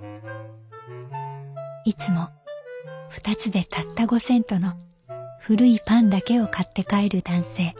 「いつも２つでたった５セントの古いパンだけを買って帰る男性」。